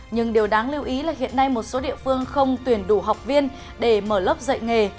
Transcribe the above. nhưng điều đáng lưu ý là hiện nay một số địa phương không tuyển đủ học viên để mở lớp dạy nghề